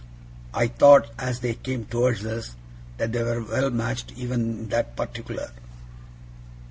I thought, as they came towards us, that they were well matched even in that particular.